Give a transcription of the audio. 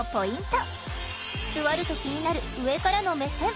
座ると気になる上からの目線。